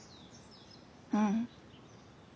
うん。